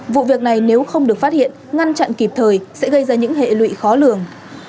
vụ việc này nếu không được phát hiện ngăn chặn kịp thời sẽ gây ra những hệ lụy khó lường